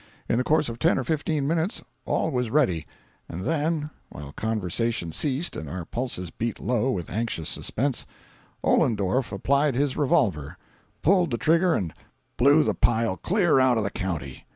In the course of ten or fifteen minutes all was ready, and then, while conversation ceased and our pulses beat low with anxious suspense, Ollendorff applied his revolver, pulled the trigger and blew the pile clear out of the county!